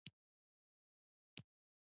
دا وړې ذرات د اتوم په نامه یادیږي.